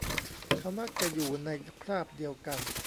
เขามักจะอยู่ในคราบเดียวกัน